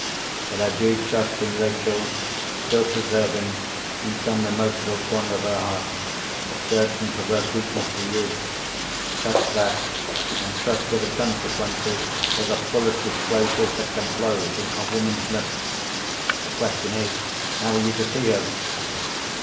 But I do trust in Rachel's still preserving, in some remote little corner of her heart, a certain perverse weakness for you. Touch that—and trust to the consequences for the fullest disclosures that can flow from a woman's lips! The question is—how are you to see her?"